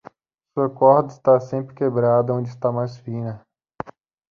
Sua corda está sempre quebrada onde está mais fina.